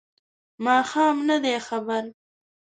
ماښام نه دی خبر